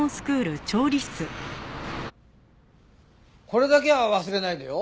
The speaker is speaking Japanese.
これだけは忘れないでよ。